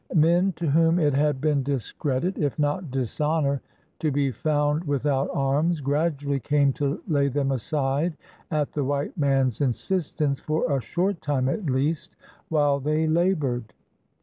Men to whom it had been discredit, if not dishonor, to be found without arms, gradually came to lay them aside at the white man's in sistence, for a short time at least, while they labored.